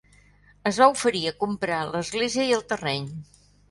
Es va oferir a comprar l'església i el terreny.